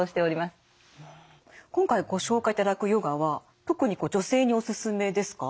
今回ご紹介いただくヨガは特に女性にお勧めですか？